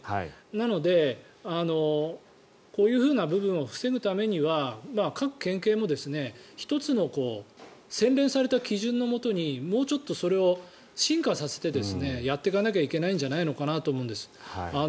なので、こういうふうな部分を防ぐためには各県警も１つの洗練された基準のもとにもうちょっとそれを進化させてやっていかなきゃいけないんじゃないかと思うんです。